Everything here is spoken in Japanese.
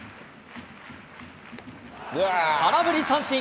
空振り三振。